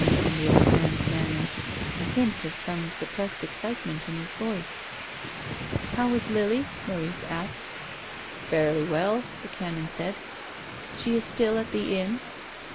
253 ness in the old man's manner, a hint of some sup pressed excitement in his voice. " How is Lily ?" Maurice asked. " Fairly well," the Canon said. " She is still at the inn?"